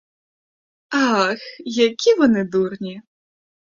Ах, які вони дурні!